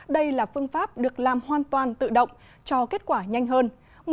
đây là phương pháp được làm hoàn toàn tự động cho kết quả nhanh hơn